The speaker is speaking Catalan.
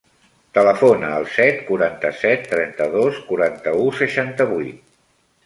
Telefona al set, quaranta-set, trenta-dos, quaranta-u, seixanta-vuit.